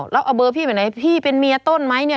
แล้วเอาเบอร์พี่ไปไหนพี่เป็นเมียต้นไหมเนี่ย